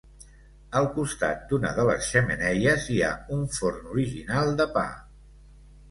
Al costat d'una de les xemeneies hi ha un forn original de pa.